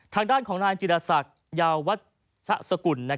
ทางด้านของนายจิรษักยาวัชสกุล